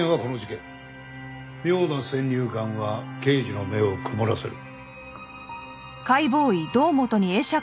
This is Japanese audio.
妙な先入観は刑事の目を曇らせる。